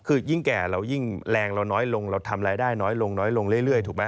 คือยิ่งแก่เรายิ่งแรงเราน้อยลงเราทำรายได้น้อยลงน้อยลงเรื่อยถูกไหม